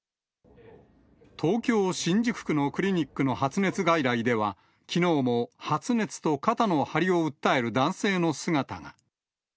東京・新宿区のクリニックの発熱外来では、きのうも発熱と肩の張りを訴える男性の姿が。